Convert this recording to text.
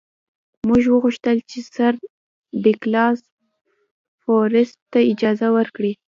موږ وغوښتل چې سر ډاګلاس فورسیت ته اجازه ورکړي.